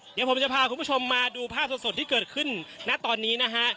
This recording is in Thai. เดี๋ยวผมจะพาคุณผู้ชมมาดูภาพสดที่เกิดขึ้นณตอนนี้นะฮะ